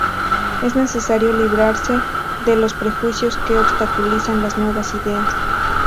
Es necesario librarse de los prejuicios que obstaculizan las nuevas ideas.